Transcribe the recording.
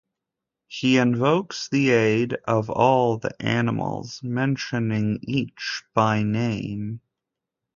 He invokes the aid of all the animals, mentioning each by name.